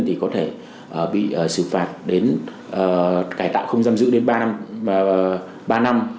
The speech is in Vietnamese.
thì có thể bị xử phạt đến cải tạo không giam giữ đến ba năm